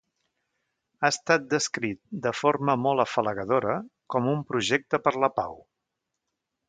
Ha estat descrit, de forma molt afalagadora, com un projecte per la pau.